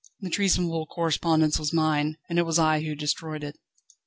"The treasonable correspondence was mine, and it was I who destroyed it."